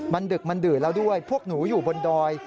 มันดึกมันดื่นแล้วด้วยพวกหนูอยู่บนดอย